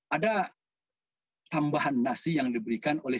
ada tambahan nasi yang diberikan oleh